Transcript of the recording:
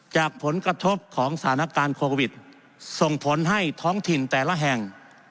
จากผลกระทบของสถานการณ์โควิดส่งผลให้ท้องถิ่นแต่ละแห่ง